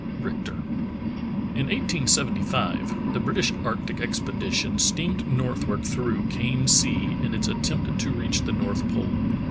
— RiCHTER. IN 1875 the British arctic expedition steamed northward through Kane Sea in its attempt to reach the north pole.